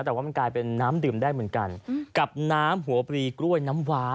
แต่ว่ามันกลายเป็นน้ำดื่มได้เหมือนกันกับน้ำหัวปลีกล้วยน้ำวา